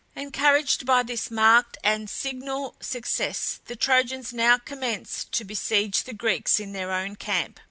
Encouraged by this marked and signal success the Trojans now commenced to besiege the Greeks in their own camp.